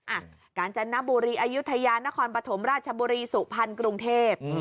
อ่ะกาญจนบุรีอายุทยานครปฐมราชบุรีสุพรรณกรุงเทพ